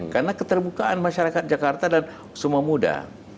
karena keterbukaan masyarakat jakarta dan semua muda